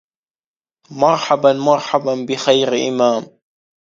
مرحبا مرحبا بخير إمام